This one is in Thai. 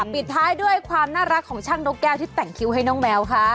ปิดท้ายด้วยความน่ารักของช่างนกแก้วที่แต่งคิวให้น้องแมวค่ะ